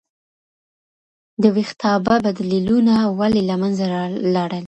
د ویښتابه بدلیلونه ولې له منځه لاړل؟